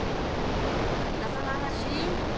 またその話？